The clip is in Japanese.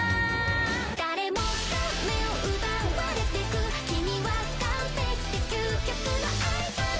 「誰もが目を奪われていく君は完璧で究極のアイドル」